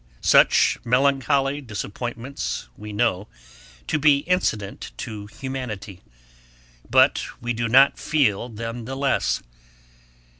Such melancholy disappointments we know to be incident to humanity; but we do not feel them the less.